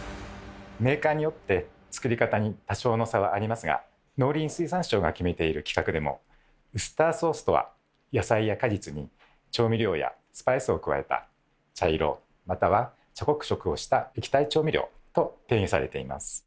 メーカーによって作り方に多少の差はありますが農林水産省が決めている規格でも「『ウスターソース』とは野菜や果実に調味料やスパイスを加えた茶色または茶黒色をした液体調味料」と定義されています。